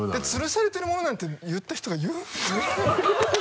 「吊されてるもの」なんて言った人が言う？